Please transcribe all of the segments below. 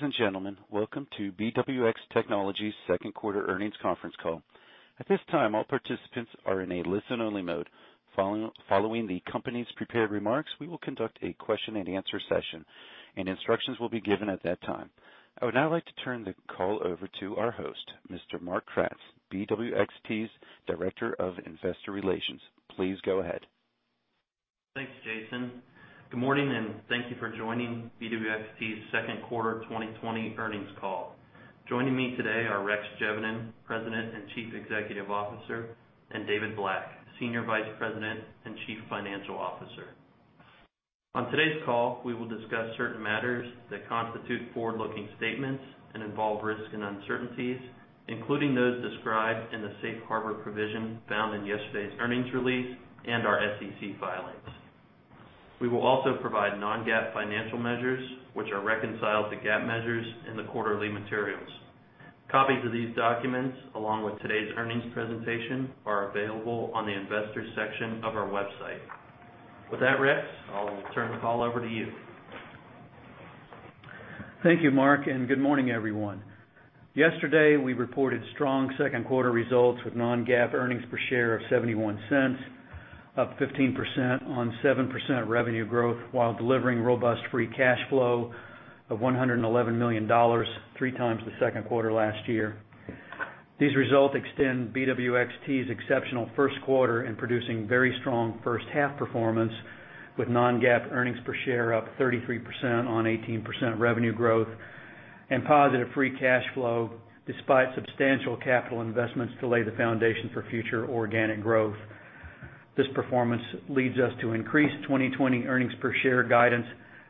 Ladies and gentlemen, welcome to BWX Technologies second quarter earnings conference call. At this time, all participants are in a listen-only mode. Following the company's prepared remarks, we will conduct a question and answer session, and instructions will be given at that time. I would now like to turn the call over to our host, Mr. Mark Kratz, BWXT's Director of Investor Relations. Please go ahead. Thanks, Jason. Good morning, and thank you for joining BWXT's second quarter 2020 earnings call. Joining me today are Rex Geveden, President and Chief Executive Officer, and David Black, Senior Vice President and Chief Financial Officer. On today's call, we will discuss certain matters that constitute forward-looking statements and involve risks and uncertainties, including those described in the safe harbor provision found in yesterday's earnings release and our SEC filings. We will also provide non-GAAP financial measures, which are reconciled to GAAP measures in the quarterly materials. Copies of these documents, along with today's earnings presentation, are available on the investors section of our website. With that, Rex, I'll turn the call over to you. Thank you, Mark, and good morning, everyone. Yesterday, we reported strong second quarter results with non-GAAP earnings per share of $0.71, up 15% on 7% revenue growth while delivering robust free cash flow of $111 million, three times the second quarter last year. These results extend BWXT's exceptional first quarter in producing very strong first-half performance, with non-GAAP earnings per share up 33% on 18% revenue growth and positive free cash flow despite substantial capital investments to lay the foundation for future organic growth. This performance leads us to increase 2020 earnings per share guidance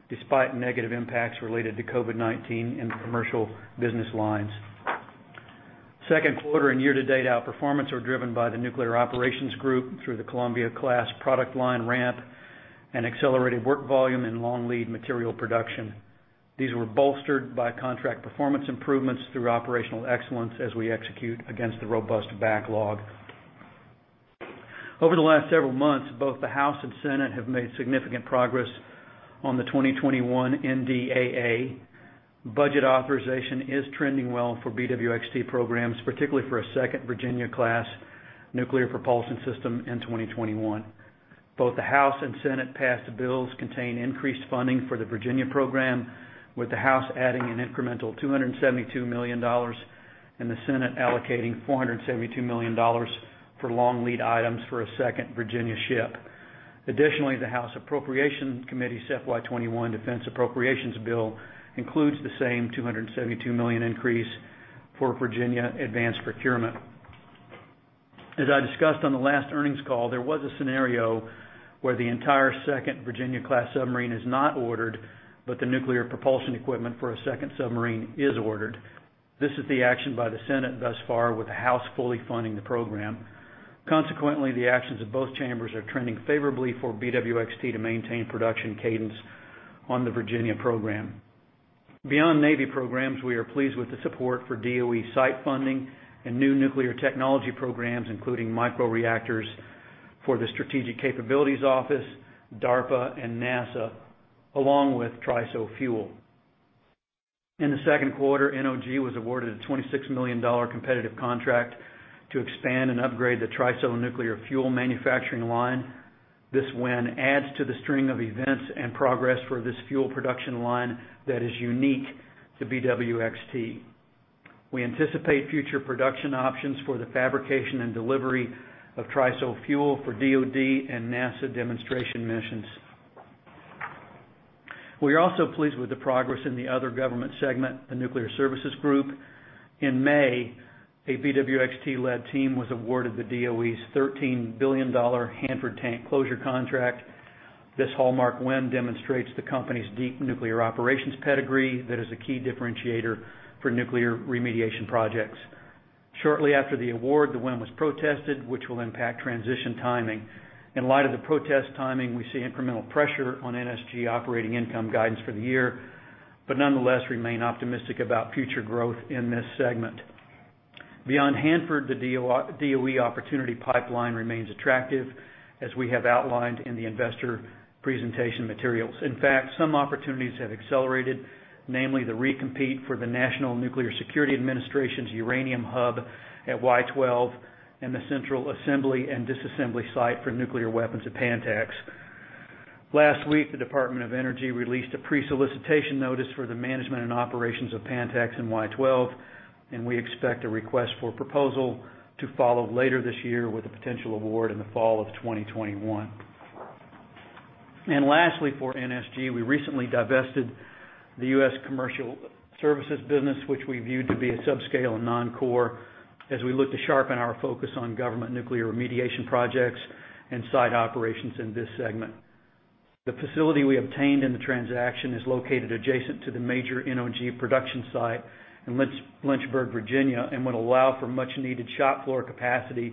despite negative impacts related to COVID-19 in the commercial business lines. Second quarter and year-to-date outperformance were driven by the Nuclear Operations Group through the Columbia-class product line ramp and accelerated work volume and long lead material production. These were bolstered by contract performance improvements through operational excellence as we execute against the robust backlog. Over the last several months, both the House and Senate have made significant progress on the 2021 NDAA. Budget authorization is trending well for BWXT programs, particularly for a second Virginia-class nuclear propulsion system in 2021. Both the House and Senate-passed bills contain increased funding for the Virginia program, with the House adding an incremental $272 million and the Senate allocating $472 million for long lead items for a second Virginia ship. The House Appropriation Committee FY 2021 defense appropriations bill includes the same $272 million increase for Virginia advanced procurement. As I discussed on the last earnings call, there was a scenario where the entire second Virginia-class submarine is not ordered, but the nuclear propulsion equipment for a second submarine is ordered. This is the action by the Senate thus far, with the House fully funding the program. Consequently, the actions of both chambers are trending favorably for BWXT to maintain production cadence on the Virginia program. Beyond Navy programs, we are pleased with the support for DOE site funding and new nuclear technology programs, including microreactors for the Strategic Capabilities Office, DARPA, and NASA, along with TRISO fuel. In the second quarter, NOG was awarded a $26 million competitive contract to expand and upgrade the TRISO nuclear fuel manufacturing line. This win adds to the string of events and progress for this fuel production line that is unique to BWXT. We anticipate future production options for the fabrication and delivery of TRISO fuel for DoD and NASA demonstration missions. We are also pleased with the progress in the other government segment, the Nuclear Services Group. In May, a BWXT-led team was awarded the DOE's $13 billion Hanford tank closure contract. This hallmark win demonstrates the company's deep nuclear operations pedigree that is a key differentiator for nuclear remediation projects. Shortly after the award, the win was protested, which will impact transition timing. In light of the protest timing, we see incremental pressure on NSG operating income guidance for the year, but nonetheless remain optimistic about future growth in this segment. Beyond Hanford, the DOE opportunity pipeline remains attractive, as we have outlined in the investor presentation materials. In fact, some opportunities have accelerated, namely the recompete for the National Nuclear Security Administration's uranium hub at Y-12 and the central assembly and disassembly site for nuclear weapons at Pantex. Last week, the Department of Energy released a pre-solicitation notice for the management and operations of Pantex and Y-12. We expect a request for proposal to follow later this year with a potential award in the fall of 2021. Lastly, for NSG, we recently divested the U.S. commercial services business, which we viewed to be a subscale and non-core as we look to sharpen our focus on government nuclear remediation projects and site operations in this segment. The facility we obtained in the transaction is located adjacent to the major NOG production site in Lynchburg, Virginia, and would allow for much needed shop floor capacity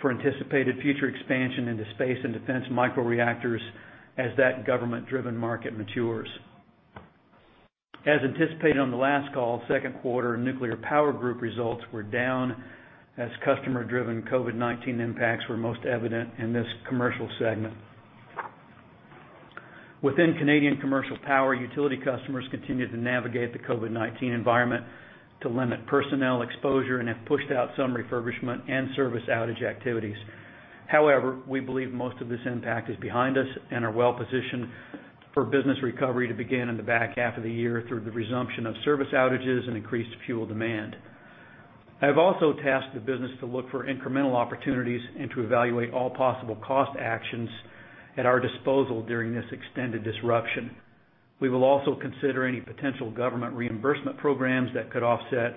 for anticipated future expansion into space and defense microreactors as that government-driven market matures. As anticipated on the last call, second quarter Nuclear Power Group results were down as customer-driven COVID-19 impacts were most evident in this commercial segment. Within Canadian commercial power, utility customers continue to navigate the COVID-19 environment to limit personnel exposure and have pushed out some refurbishment and service outage activities. We believe most of this impact is behind us and are well-positioned for business recovery to begin in the back half of the year through the resumption of service outages and increased fuel demand. I have also tasked the business to look for incremental opportunities and to evaluate all possible cost actions at our disposal during this extended disruption. We will also consider any potential government reimbursement programs that could offset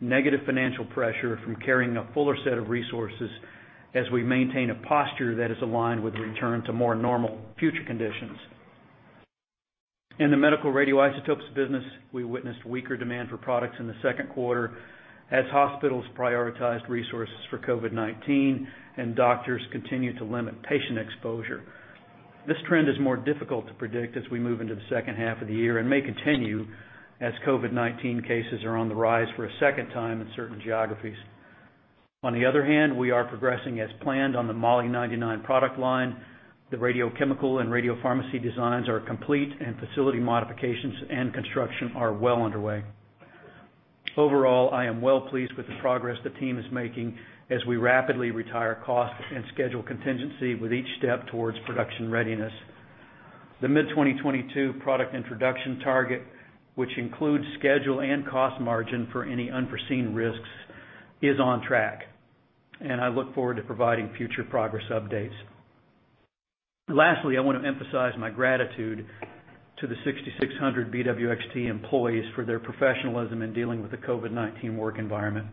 negative financial pressure from carrying a fuller set of resources as we maintain a posture that is aligned with the return to more normal future conditions. In the medical radioisotopes business, we witnessed weaker demand for products in the second quarter as hospitals prioritized resources for COVID-19 and doctors continued to limit patient exposure. This trend is more difficult to predict as we move into the second half of the year and may continue as COVID-19 cases are on the rise for a second time in certain geographies. On the other hand, we are progressing as planned on the Moly-99 product line. The radiochemical and radiopharmacy designs are complete and facility modifications and construction are well underway. Overall, I am well-pleased with the progress the team is making as we rapidly retire costs and schedule contingency with each step towards production readiness. The mid-2022 product introduction target, which includes schedule and cost margin for any unforeseen risks, is on track, and I look forward to providing future progress updates. Lastly, I want to emphasize my gratitude to the 6,600 BWXT employees for their professionalism in dealing with the COVID-19 work environment.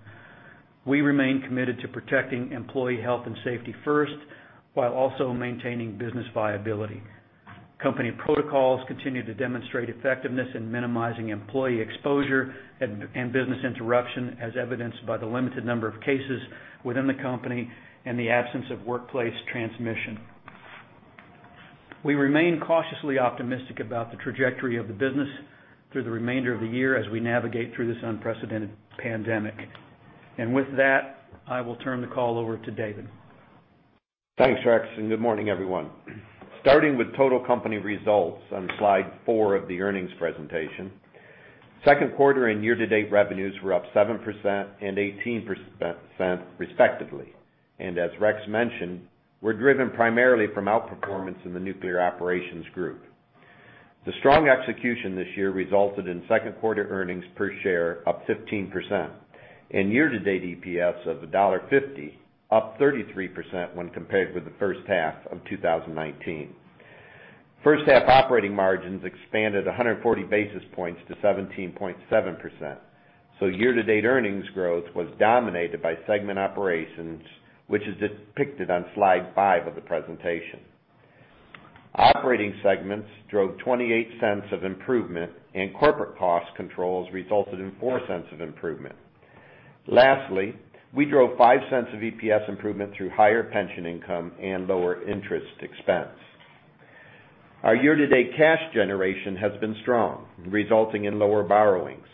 We remain committed to protecting employee health and safety first, while also maintaining business viability. Company protocols continue to demonstrate effectiveness in minimizing employee exposure and business interruption, as evidenced by the limited number of cases within the company and the absence of workplace transmission. We remain cautiously optimistic about the trajectory of the business through the remainder of the year as we navigate through this unprecedented pandemic. With that, I will turn the call over to David. Thanks, Rex. Good morning, everyone. Starting with total company results on slide four of the earnings presentation. Second quarter and year-to-date revenues were up 7% and 18%, respectively. As Rex mentioned, were driven primarily from outperformance in the Nuclear Operations Group. The strong execution this year resulted in second quarter earnings per share up 15%, and year-to-date EPS of $1.50, up 33% when compared with the first half of 2019. First half operating margins expanded 140 basis points to 17.7%. Year-to-date earnings growth was dominated by segment operations, which is depicted on slide five of the presentation. Operating segments drove $0.28 of improvement. Corporate cost controls resulted in $0.04 of improvement. Lastly, we drove $0.05 of EPS improvement through higher pension income and lower interest expense. Our year-to-date cash generation has been strong, resulting in lower borrowings.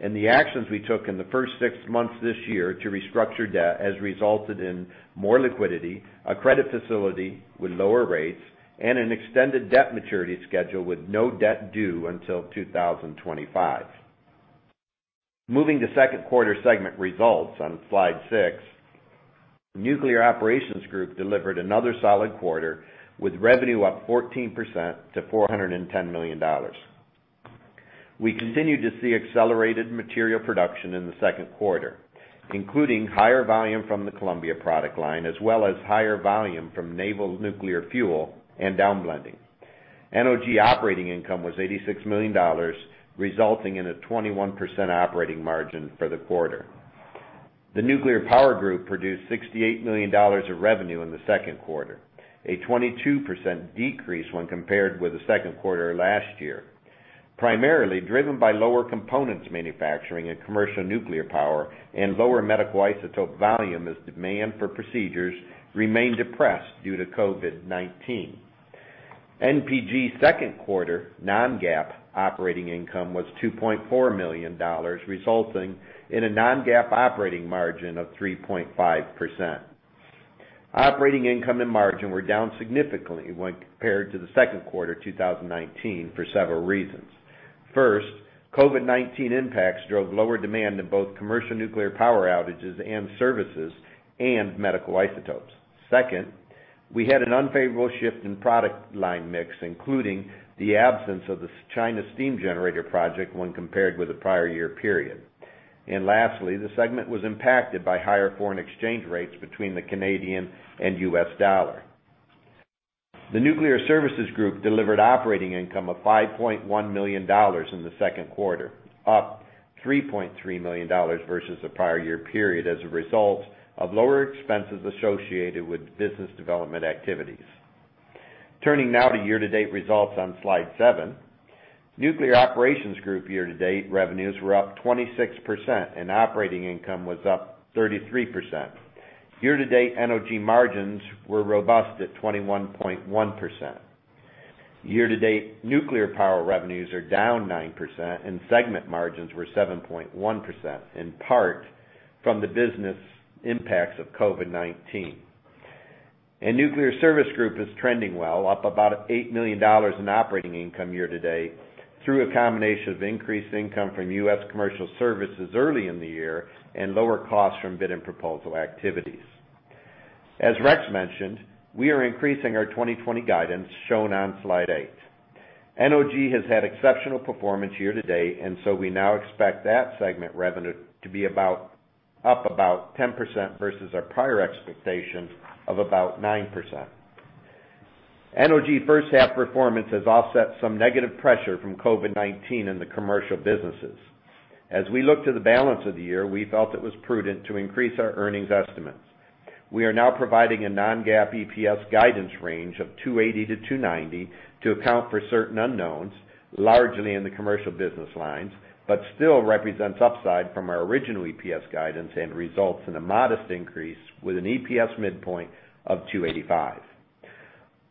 The actions we took in the first six months this year to restructure debt has resulted in more liquidity, a credit facility with lower rates, and an extended debt maturity schedule with no debt due until 2025. Moving to second quarter segment results on slide six. Nuclear Operations Group delivered another solid quarter, with revenue up 14% to $410 million. We continued to see accelerated material production in the second quarter, including higher volume from the Columbia product line, as well as higher volume from naval nuclear fuel and downblending. NOG operating income was $86 million, resulting in a 21% operating margin for the quarter. The Nuclear Power Group produced $68 million of revenue in the second quarter, a 22% decrease when compared with the second quarter last year, primarily driven by lower components manufacturing in commercial nuclear power and lower medical isotope volume as demand for procedures remained depressed due to COVID-19. NPG's second quarter non-GAAP operating income was $2.4 million, resulting in a non-GAAP operating margin of 3.5%. Operating income and margin were down significantly when compared to the second quarter 2019 for several reasons. First, COVID-19 impacts drove lower demand in both commercial nuclear power outages and services and medical isotopes. Second, we had an unfavorable shift in product line mix, including the absence of the China steam generator project when compared with the prior year period. Lastly, the segment was impacted by higher foreign exchange rates between the Canadian and U.S. dollar. The Nuclear Services Group delivered operating income of $5.1 million in the second quarter, up $3.3 million versus the prior year period as a result of lower expenses associated with business development activities. Turning now to year-to-date results on slide seven. Nuclear Operations Group year-to-date revenues were up 26%, and operating income was up 33%. Year-to-date, NOG margins were robust at 21.1%. Year-to-date, Nuclear Power revenues are down 9%, and segment margins were 7.1%, in part from the business impacts of COVID-19. Nuclear Services Group is trending well, up about $8 million in operating income year to date, through a combination of increased income from U.S. commercial services early in the year and lower costs from bid and proposal activities. As Rex mentioned, we are increasing our 2020 guidance, shown on slide eight. NOG has had exceptional performance year to date, we now expect that segment revenue to be up about 10% versus our prior expectation of about 9%. NOG first half performance has offset some negative pressure from COVID-19 in the commercial businesses. As we look to the balance of the year, we felt it was prudent to increase our earnings estimates. We are now providing a non-GAAP EPS guidance range of $2.80-$2.90 to account for certain unknowns, largely in the commercial business lines, but still represents upside from our original EPS guidance and results in a modest increase with an EPS midpoint of $2.85.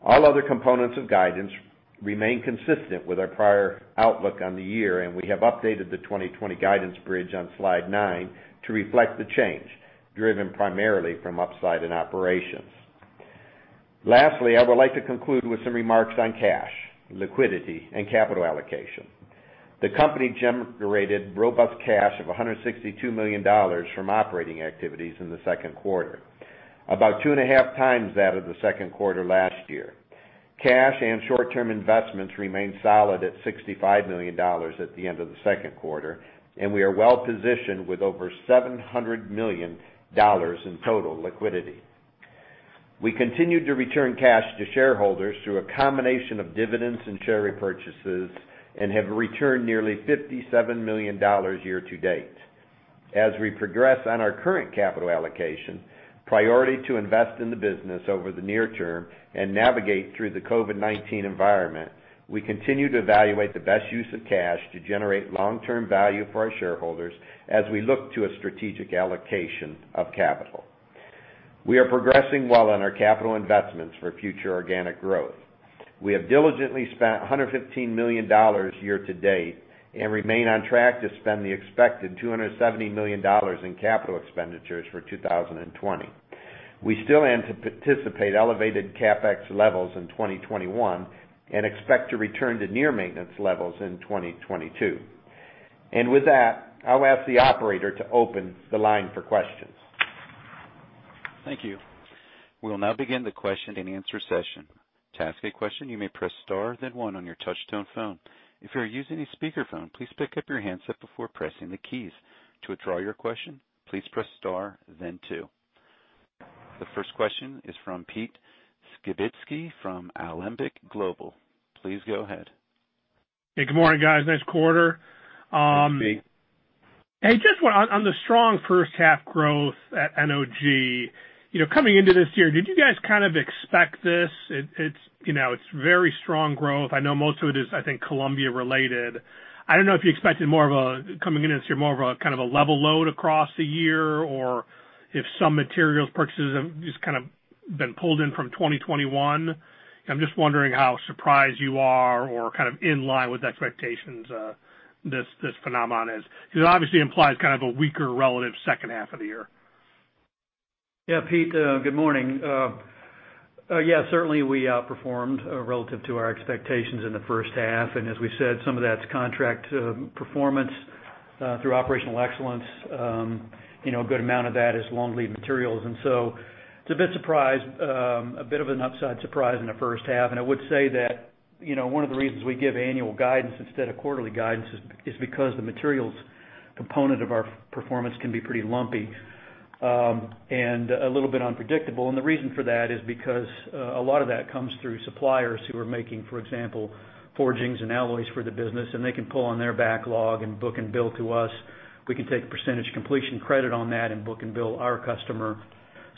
All other components of guidance remain consistent with our prior outlook on the year, we have updated the 2020 guidance bridge on slide nine to reflect the change, driven primarily from upside in operations. Lastly, I would like to conclude with some remarks on cash, liquidity, and capital allocation. The company generated robust cash of $162 million from operating activities in the second quarter, about two and a half times that of the second quarter last year. Cash and short-term investments remain solid at $65 million at the end of the second quarter, and we are well-positioned with over $700 million in total liquidity. We continued to return cash to shareholders through a combination of dividends and share repurchases, and have returned nearly $57 million year to date. As we progress on our current capital allocation, priority to invest in the business over the near term and navigate through the COVID-19 environment, we continue to evaluate the best use of cash to generate long-term value for our shareholders as we look to a strategic allocation of capital. We are progressing well on our capital investments for future organic growth. We have diligently spent $115 million year to date and remain on track to spend the expected $270 million in capital expenditures for 2020. We still anticipate elevated CapEx levels in 2021 and expect to return to near maintenance levels in 2022. With that, I'll ask the operator to open the line for questions. Thank you. We'll now begin the question and answer session. To ask a question, you may press star, then one on your touch tone phone. If you are using a speakerphone, please pick up your handset before pressing the keys. To withdraw your question, please press star, then two. The first question is from Pete Skibitski from Alembic Global. Please go ahead. Hey, good morning, guys. Nice quarter. Thanks, Pete. Hey, just on the strong first half growth at NOG, coming into this year, did you guys kind of expect this? It's very strong growth. I know most of it is, I think, Columbia related. I don't know if you expected coming into this year, more of a level load across the year, or if some materials purchases have just kind of been pulled in from 2021. I'm just wondering how surprised you are or kind of in line with expectations this phenomenon is. Because it obviously implies kind of a weaker relative second half of the year. Yeah, Pete, good morning. Certainly we outperformed relative to our expectations in the first half. As we said, some of that's contract performance through operational excellence. A good amount of that is long lead materials. It's a bit of an upside surprise in the first half. I would say that one of the reasons we give annual guidance instead of quarterly guidance is because the materials component of our performance can be pretty lumpy and a little bit unpredictable. The reason for that is because a lot of that comes through suppliers who are making, for example, forgings and alloys for the business, and they can pull on their backlog and book and bill to us. We can take % completion credit on that and book and bill our customer.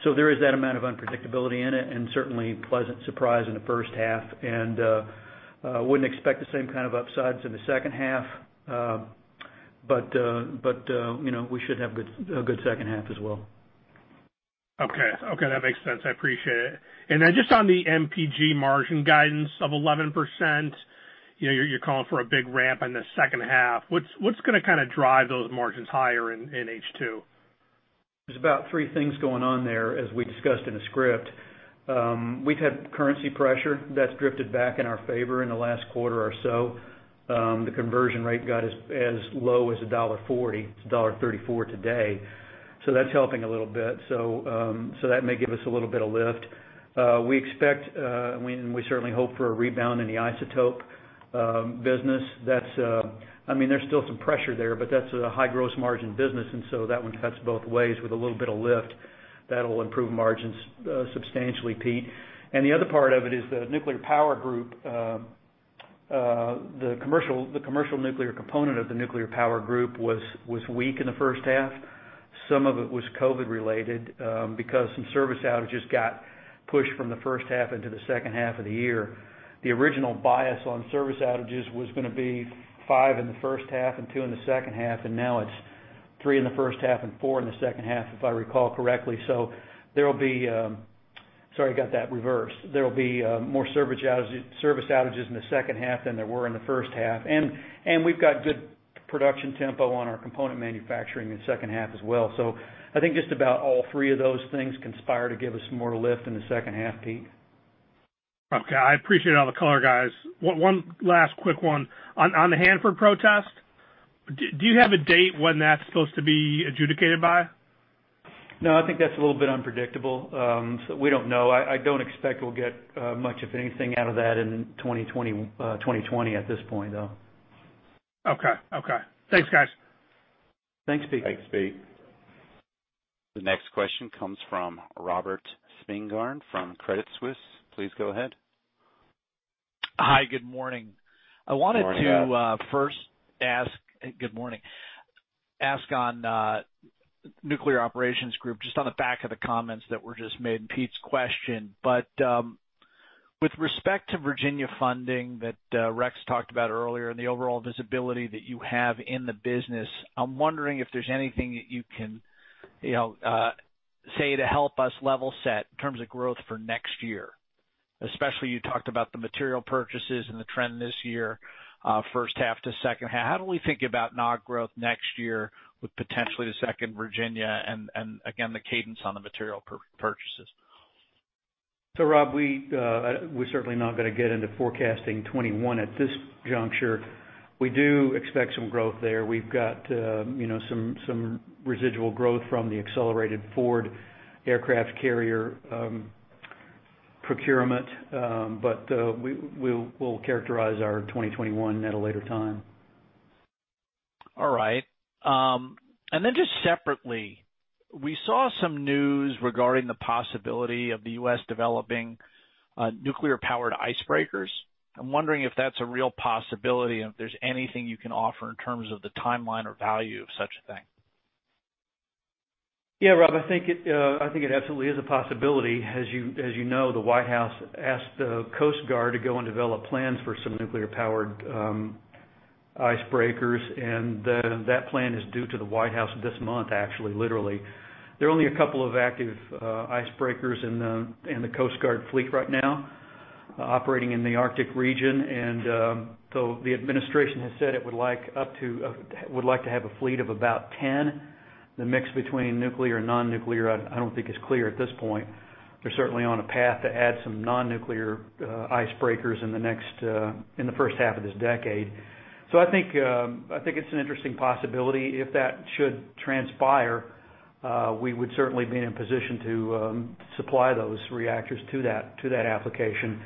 There is that amount of unpredictability in it, and certainly a pleasant surprise in the first half. I wouldn't expect the same kind of upsides in the second half. We should have a good second half as well. Okay. That makes sense. I appreciate it. Just on the NPG margin guidance of 11%, you're calling for a big ramp in the second half. What's going to kind of drive those margins higher in H2? There's about three things going on there, as we discussed in the script. We've had currency pressure that's drifted back in our favor in the last quarter or so. The conversion rate got as low as $1.40. It's $1.34 today. That's helping a little bit. That may give us a little bit of lift. We expect, and we certainly hope for a rebound in the isotope business. There's still some pressure there, but that's a high gross margin business, that one cuts both ways with a little bit of lift. That'll improve margins substantially, Pete. The other part of it is that Nuclear Power Group, the commercial nuclear component of the Nuclear Power Group was weak in the first half. Some of it was COVID related because some service outages got pushed from the first half into the second half of the year. The original bias on service outages was going to be five in the first half and two in the second half, and now it's three in the first half and four in the second half, if I recall correctly. Sorry, I got that reversed. There will be more service outages in the second half than there were in the first half. We've got good Production tempo on our component manufacturing in second half as well. I think just about all three of those things conspire to give us more lift in the second half, Pete. Okay. I appreciate all the color, guys. One last quick one. On the Hanford protest, do you have a date when that's supposed to be adjudicated by? I think that's a little bit unpredictable. We don't know. I don't expect we'll get much, if anything, out of that in 2020 at this point, though. Okay. Thanks, guys. Thanks, Pete. Thanks, Pete. The next question comes from Robert Spingarn from Credit Suisse. Please go ahead. Hi, good morning. Good morning, Rob. Good morning. Ask on Nuclear Operations Group, just on the back of the comments that were just made in Pete's question, but with respect to Virginia funding that Rex talked about earlier and the overall visibility that you have in the business, I'm wondering if there's anything that you can say to help us level set in terms of growth for next year. Especially you talked about the material purchases and the trend this year, first half to second half. How do we think about NOG growth next year with potentially the second Virginia and, again, the cadence on the material purchases? Rob, we're certainly not going to get into forecasting 2021 at this juncture. We do expect some growth there. We've got some residual growth from the accelerated Ford-class aircraft carrier procurement. We'll characterize our 2021 at a later time. All right. Just separately, we saw some news regarding the possibility of the U.S. developing nuclear-powered icebreakers. I'm wondering if that's a real possibility and if there's anything you can offer in terms of the timeline or value of such a thing? Rob, I think it absolutely is a possibility. As you know, the White House asked the Coast Guard to go and develop plans for some nuclear-powered icebreakers. That plan is due to the White House this month, actually, literally. There are only a couple of active icebreakers in the Coast Guard fleet right now operating in the Arctic region. The administration has said it would like to have a fleet of about 10. The mix between nuclear and non-nuclear, I don't think is clear at this point. They're certainly on a path to add some non-nuclear icebreakers in the first half of this decade. I think it's an interesting possibility. If that should transpire, we would certainly be in a position to supply those reactors to that application.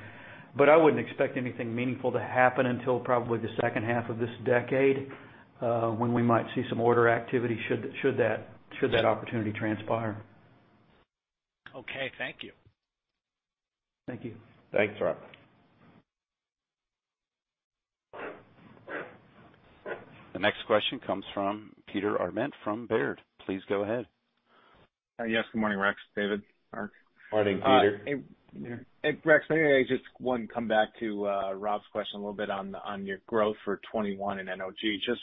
I wouldn't expect anything meaningful to happen until probably the second half of this decade, when we might see some order activity should that opportunity transpire. Okay, thank you. Thank you. Thanks, Rob. The next question comes from Peter Arment from Baird. Please go ahead. Yes, good morning, Rex, David. Morning, Pete. Rex, may I just come back to Rob's question a little bit on your growth for 2021 in NOG, just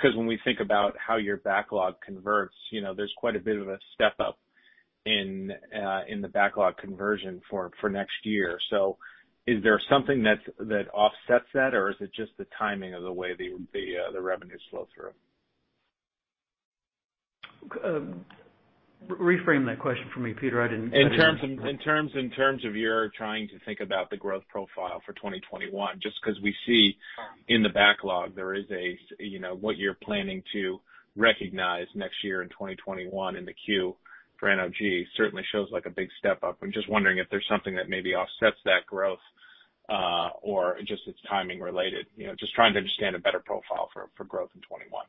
because when we think about how your backlog converts, there's quite a bit of a step-up in the backlog conversion for next year. Is there something that offsets that, or is it just the timing of the way the revenues flow through? Reframe that question for me, Peter. I didn't understand. In terms of you're trying to think about the growth profile for 2021, just because we see in the backlog, there is what you're planning to recognize next year in 2021 in the queue for NOG. Certainly shows a big step up. I'm just wondering if there's something that maybe offsets that growth, or just it's timing related. Just trying to understand a better profile for growth in 2021.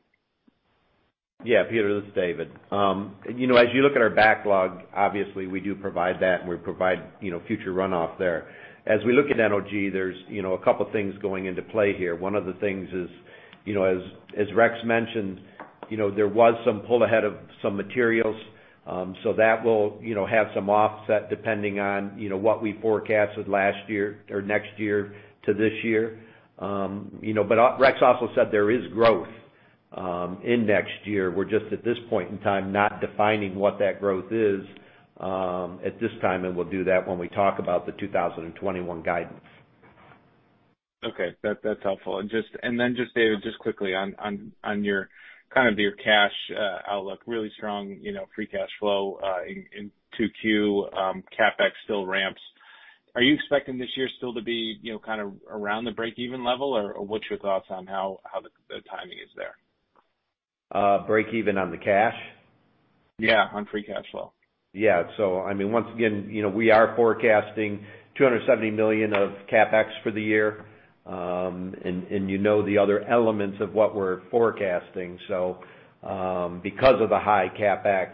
Yeah. Peter, this is David. As you look at our backlog, obviously we do provide that, and we provide future runoff there. As we look at NOG, there's a couple things going into play here. One of the things is, as Rex mentioned, there was some pull ahead of some materials. That will have some offset depending on what we forecasted last year or next year to this year. Rex also said there is growth in next year. We're just, at this point in time, not defining what that growth is at this time, and we'll do that when we talk about the 2021 guidance. Okay. That's helpful. David, just quickly on your cash outlook, really strong free cash flow in 2Q, CapEx still ramps. Are you expecting this year still to be around the break-even level, or what's your thoughts on how the timing is there? Break even on the cash? Yeah, on free cash flow. Yeah. Once again, we are forecasting $270 million of CapEx for the year. You know the other elements of what we're forecasting. Because of the high CapEx,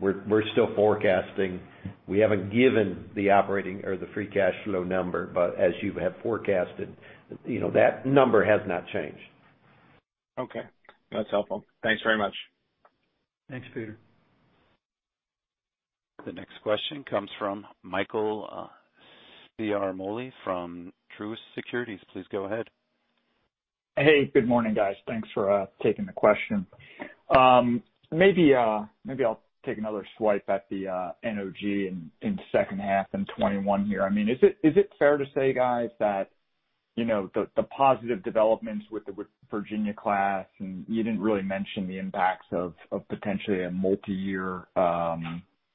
we're still forecasting. We haven't given the free cash flow number, but as you have forecasted, that number has not changed. Okay, that's helpful. Thanks very much. Thanks, Pete. The next question comes from Michael Ciarmoli from Truist Securities. Please go ahead. Hey, good morning, guys. Thanks for taking the question. Maybe I'll take another swipe at the NOG in second half in 2021 here. Is it fair to say, guys, that the positive developments with the Virginia-class, and you didn't really mention the impacts of potentially a multi-year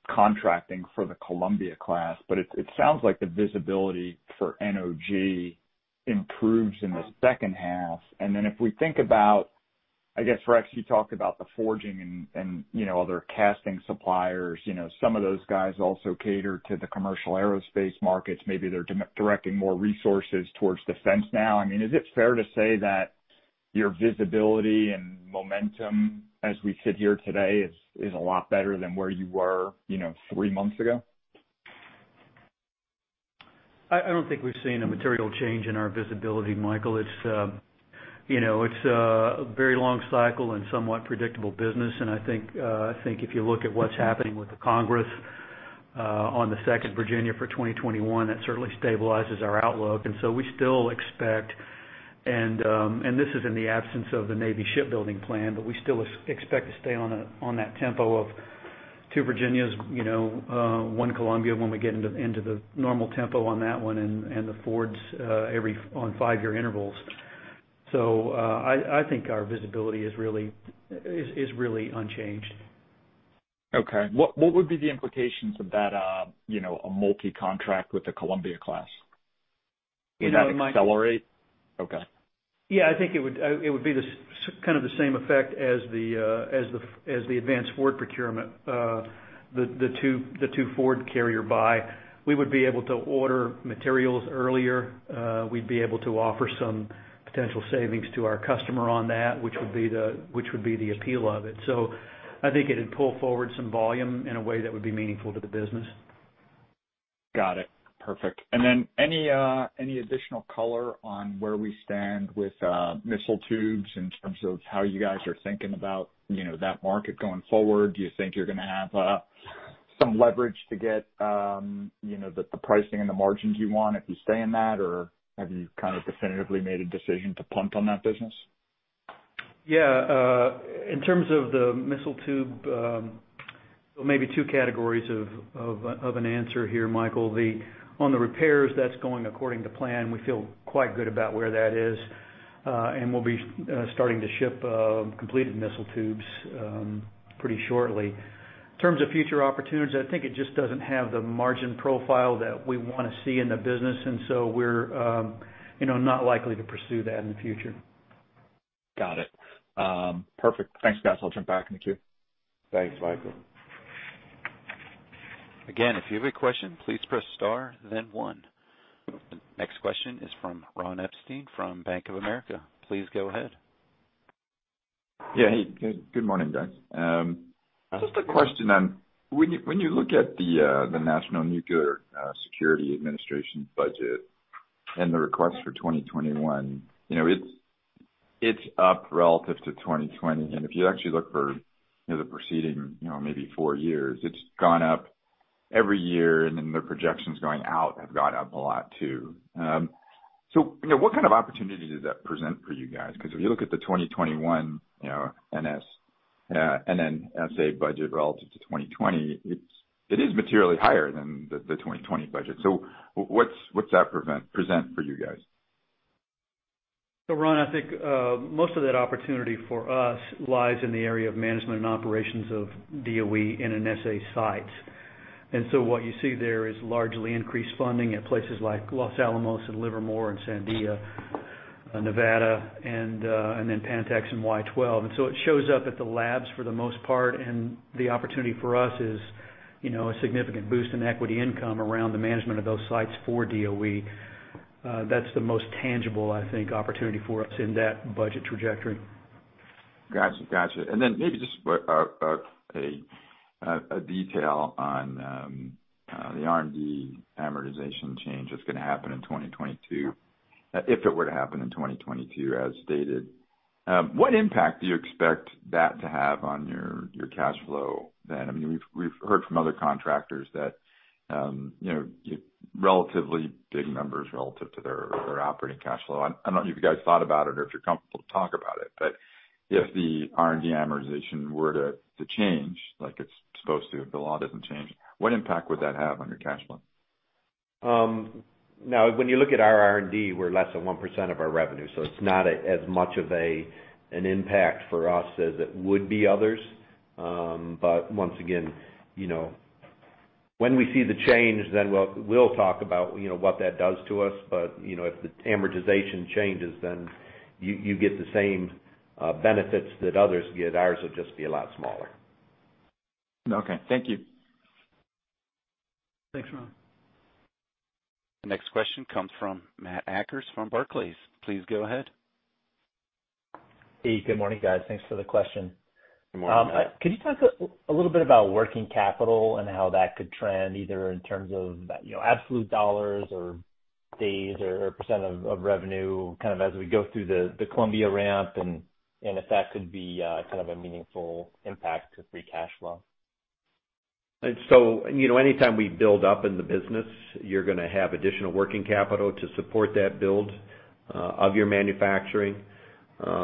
contracting for the Columbia-class, but it sounds like the visibility for NOG improves in the second half. Then if we think about, I guess, Rex, you talked about the forging and other casting suppliers. Some of those guys also cater to the commercial aerospace markets. Maybe they're directing more resources towards defense now. Is it fair to say that your visibility and momentum as we sit here today is a lot better than where you were three months ago? I don't think we've seen a material change in our visibility, Michael. It's a very long cycle and somewhat predictable business, and I think if you look at what's happening with the Congress on the second Virginia for 2021, that certainly stabilizes our outlook. We still expect, and this is in the absence of the Navy shipbuilding plan, but we still expect to stay on that tempo of two Virginias, one Columbia when we get into the normal tempo on that one, and the Fords on five-year intervals. I think our visibility is really unchanged. Okay. What would be the implications of that multi-contract with the Columbia-class? You know, Mike. Would that accelerate? Okay. Yeah, I think it would be kind of the same effect as the advanced Ford-class procurement, the two Ford-class carrier buy. We would be able to order materials earlier. We'd be able to offer some potential savings to our customer on that, which would be the appeal of it. I think it'd pull forward some volume in a way that would be meaningful to the business. Got it. Perfect. Any additional color on where we stand with missile tubes in terms of how you guys are thinking about that market going forward? Do you think you're going to have some leverage to get the pricing and the margins you want if you stay in that, or have you kind of definitively made a decision to punt on that business? Yeah. In terms of the missile tube, maybe two categories of an answer here, Michael. On the repairs, that's going according to plan. We feel quite good about where that is. We'll be starting to ship completed missile tubes pretty shortly. In terms of future opportunities, I think it just doesn't have the margin profile that we want to see in the business. We're not likely to pursue that in the future. Got it. Perfect. Thanks, guys. I'll jump back in the queue. Thanks, Michael. Again, if you have a question, please press star then one. The next question is from Ron Epstein from Bank of America. Please go ahead. Yeah, hey. Good morning, guys. Just a question. When you look at the National Nuclear Security Administration's budget and the request for 2021, it's up relative to 2020, and if you actually look for the preceding maybe four years, it's gone up every year, and then the projections going out have gone up a lot, too. What kind of opportunity does that present for you guys? Because if you look at the 2021 NNSA budget relative to 2020, it is materially higher than the 2020 budget. What's that present for you guys? Ron, I think most of that opportunity for us lies in the area of management and operations of DOE and NNSA sites. What you see there is largely increased funding at places like Los Alamos and Livermore and Sandia, Nevada, and then Pantex and Y-12. It shows up at the labs for the most part, and the opportunity for us is a significant boost in equity income around the management of those sites for DOE. That's the most tangible, I think, opportunity for us in that budget trajectory. Got you. Maybe just a detail on the R&D amortization change that's going to happen in 2022, if it were to happen in 2022 as stated. What impact do you expect that to have on your cash flow then? We've heard from other contractors that relatively big numbers relative to their operating cash flow. I don't know if you guys thought about it or if you're comfortable to talk about it. If the R&D amortization were to change like it's supposed to, if the law doesn't change, what impact would that have on your cash flow? When you look at our R&D, we're less than 1% of our revenue, it's not as much of an impact for us as it would be others. Once again, when we see the change, we'll talk about what that does to us. If the amortization changes, you get the same benefits that others get. Ours will just be a lot smaller. Okay. Thank you. Thanks, Ron. The next question comes from Matt Akers from Barclays. Please go ahead. Hey, good morning, guys. Thanks for the question. Good morning, Matt. Could you talk a little bit about working capital and how that could trend either in terms of absolute dollars or days or % of revenue, kind of as we go through the Columbia ramp and if that could be kind of a meaningful impact to free cash flow? Anytime we build up in the business, you're going to have additional working capital to support that build of your manufacturing.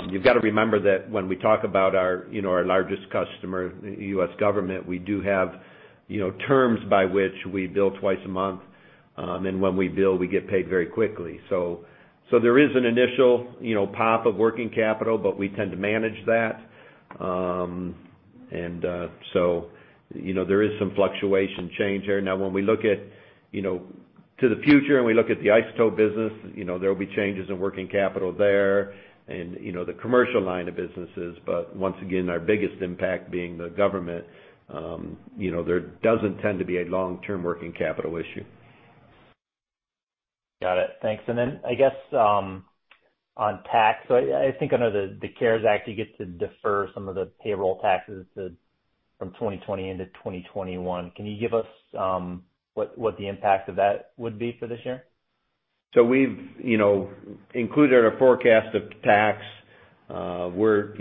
You've got to remember that when we talk about our largest customer, the U.S. government, we do have terms by which we bill twice a month. When we bill, we get paid very quickly. There is an initial pop of working capital, but we tend to manage that. There is some fluctuation change there. When we look at to the future, and we look at the isotope business, there will be changes in working capital there and the commercial line of businesses. Once again, our biggest impact being the government, there doesn't tend to be a long-term working capital issue. Got it. Thanks. I guess, on tax, so I think under the CARES Act, you get to defer some of the payroll taxes from 2020 into 2021. Can you give us what the impact of that would be for this year? We've included our forecast of tax, and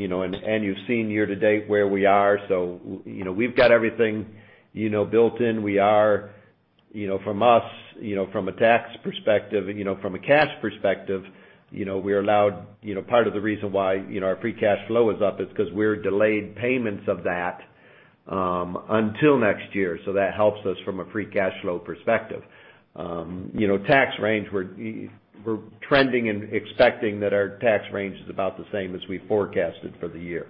you've seen year to date where we are. We've got everything built in. From a tax perspective, from a cash perspective, part of the reason why our free cash flow is up is because we're delayed payments of that until next year. That helps us from a free cash flow perspective. Tax range, we're trending and expecting that our tax range is about the same as we forecasted for the year.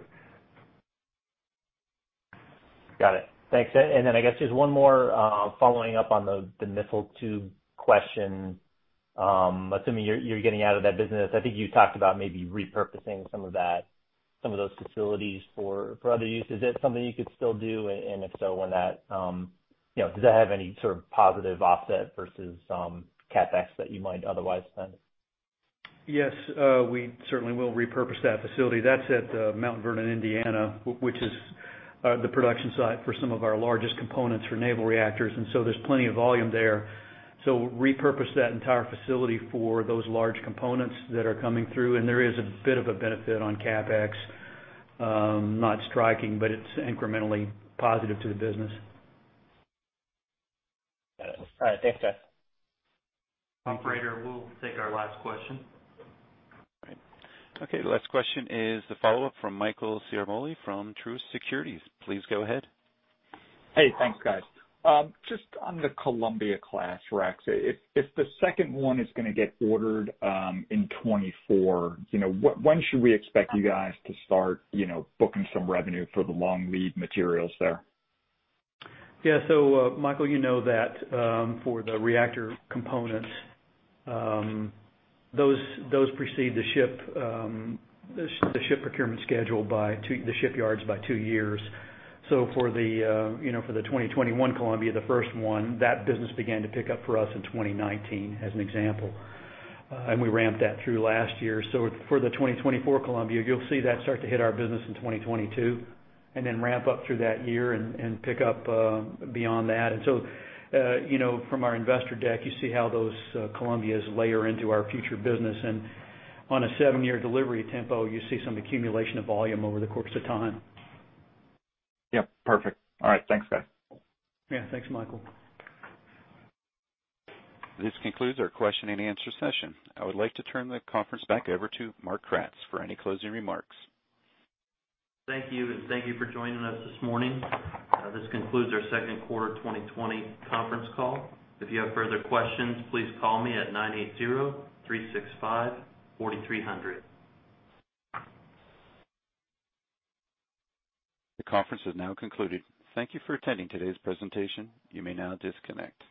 Got it. Thanks. Then I guess just one more, following up on the missile tube question. Assuming you're getting out of that business, I think you talked about maybe repurposing some of those facilities for other uses. Is that something you could still do? And if so, does that have any sort of positive offset versus CapEx that you might otherwise spend? Yes. We certainly will repurpose that facility. That's at Mount Vernon, Indiana, which is the production site for some of our largest components for naval reactors. There's plenty of volume there. Repurpose that entire facility for those large components that are coming through, and there is a bit of a benefit on CapEx. Not striking, but it's incrementally positive to the business. Got it. All right, thanks guys. Operator, we'll take our last question. Okay, the last question is the follow-up from Michael Ciarmoli from Truist Securities. Please go ahead. Hey, thanks guys. Just on the Columbia-class, Rex, if the second one is gonna get ordered in 2024, when should we expect you guys to start booking some revenue for the long-lead materials there? Yeah. Michael, you know that for the reactor components, those precede the ship procurement schedule by the shipyards by two years. For the 2021 Columbia, the first one, that business began to pick up for us in 2019, as an example. We ramped that through last year. For the 2024 Columbia, you'll see that start to hit our business in 2022, then ramp up through that year and pick up beyond that. From our investor deck, you see how those Columbias layer into our future business. On a seven-year delivery tempo, you see some accumulation of volume over the course of time. Yep, perfect. All right, thanks guys. Yeah. Thanks, Michael. This concludes our question and answer session. I would like to turn the conference back over to Mark Kratz for any closing remarks. Thank you, and thank you for joining us this morning. This concludes our second quarter 2020 conference call. If you have further questions, please call me at 980-365-4300. The conference has now concluded. Thank you for attending today's presentation. You may now disconnect.